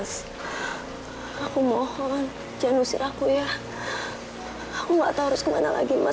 sampai jumpa di video selanjutnya